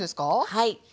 はい。